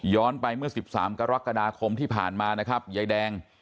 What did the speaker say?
ไปเมื่อ๑๓กรกฎาคมที่ผ่านมานะครับยายแดง